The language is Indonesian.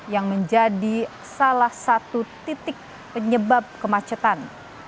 yang menjadi salah satu titik penyebab kemacetan